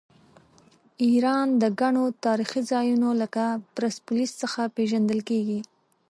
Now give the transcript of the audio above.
ایران د ګڼو تاریخي ځایونو لکه پرسپولیس څخه پیژندل کیږي.